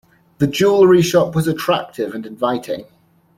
The jewellery shop was attractive and inviting.